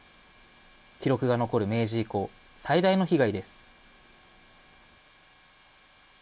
記録が残る明治以降、最大の被害です。